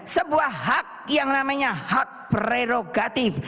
sebuah hak yang namanya hak prerogatif